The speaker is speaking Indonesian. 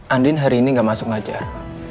andin hari ini gak masuk ngajar